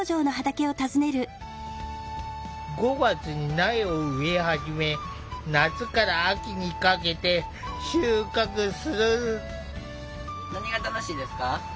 ５月に苗を植え始め夏から秋にかけて収穫する。